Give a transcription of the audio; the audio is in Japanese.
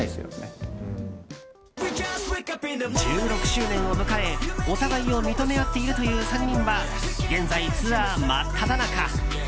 １６周年を迎えお互いを認め合っているという３人は、現在ツアー真っただ中。